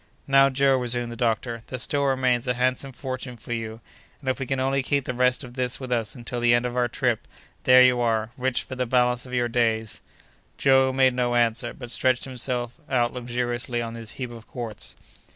"Now, Joe," resumed the doctor, "there still remains a handsome fortune for you; and, if we can only keep the rest of this with us until the end of our trip, there you are—rich for the balance of your days!" Joe made no answer, but stretched himself out luxuriously on his heap of quartz.